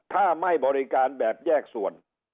ถ้าไม่บริการแบบแยกส่วน